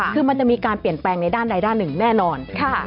คือมันจะมีการเปลี่ยนแปลงในด้านใดด้านหนึ่งแน่นอน